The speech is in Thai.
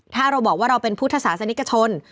ถ้าเราบอกว่าเราเป็นพุทธศาสนิกชน